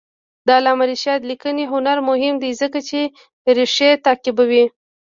د علامه رشاد لیکنی هنر مهم دی ځکه چې ریښې تعقیبوي.